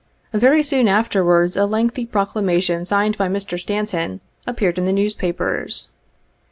Very soon afterwards a lengthy Proclamation signed by Mr. Stanton appeared in the newspapers.